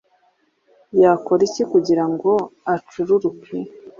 yakora iki kugira ngo acururuke